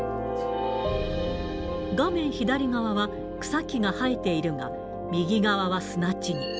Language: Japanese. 画面左側は草木が生えているが、右側は砂地に。